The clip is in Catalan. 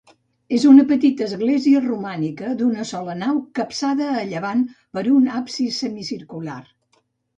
És una petita església romànica, d'una sola nau capçada a llevant per un absis semicircular.